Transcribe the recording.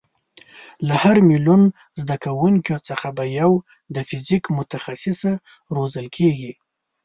له هر میلیون زده کوونکیو څخه به یو د فیزیک متخصصه روزل کېږي.